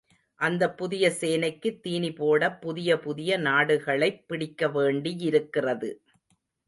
அந்தப் புதிய சேனைக்குத் தீனிபோடப் புதிய புதிய நாடுகளைப் பிடிக்கவேண்டியிருக்கிறது.